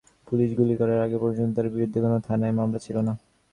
Police গুলি করার আগে পর্যন্ত তাঁর বিরুদ্ধে কোনো থানায় মামলা ছিল না।